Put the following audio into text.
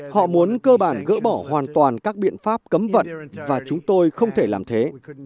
họ muốn cơ bản gỡ bỏ hoàn toàn các biện pháp cấm vận và chúng tôi không thể làm thế